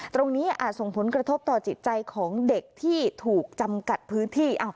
อาจส่งผลกระทบต่อจิตใจของเด็กที่ถูกจำกัดพื้นที่